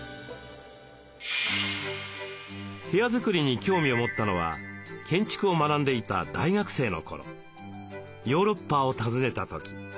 部屋作りに興味を持ったのは建築を学んでいた大学生の頃ヨーロッパを訪ねた時。